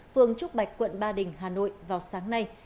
phường trúc bạch quận ba đình hà nội vào sáng nay